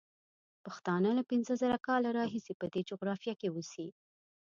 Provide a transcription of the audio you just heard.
پښتانه له پینځه زره کاله راهیسې په دې جغرافیه کې اوسي.